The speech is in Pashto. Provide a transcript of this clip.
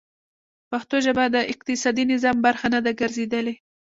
پښتو ژبه د اقتصادي نظام برخه نه ده ګرځېدلې.